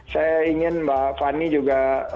saya ingin mbak fani juga